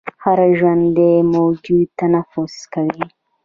هر ژوندی موجود تنفس کوي